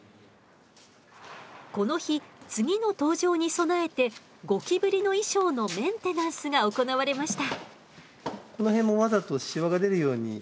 この日次の登場に備えてゴキブリの衣装のメンテナンスが行われました。